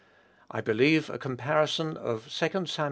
I believe a comparison of 2 Sam.